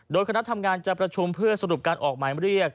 โดยคณะทำงานจะประชุมเพื่อสรุปการออกหมายเรียก